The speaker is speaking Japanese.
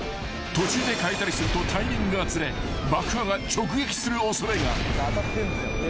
［途中で変えたりするとタイミングがずれ爆破が直撃する恐れが］